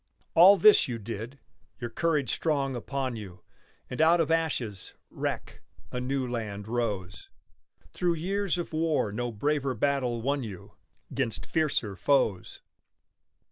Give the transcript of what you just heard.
All this you did, your courage strong upon you, And out of ashes, wreck, a new land rose, Through years of war no braver battle won you, 'Gainst fiercer foes.